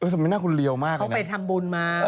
ทำไมหน้าคุณเรียวมากเขาไปทำบุญมา